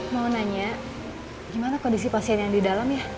moong nanya gimana kondisi pasien yang didalam ya